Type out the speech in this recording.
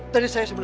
terima kasih papa